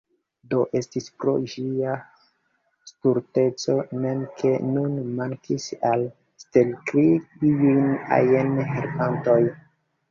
Do, estis pro ĝia stulteco mem ke nun mankis al Stelkri iuj ajn helpantoj.